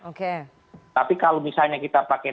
oke tapi kalau misalnya kita pakai